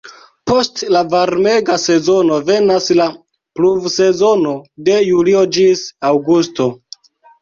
Post la varmega sezono venas la "pluvsezono" de julio ĝis aŭgusto.